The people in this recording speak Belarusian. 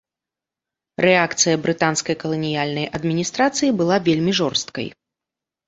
Рэакцыя брытанскай каланіяльнай адміністрацыі была вельмі жорсткай.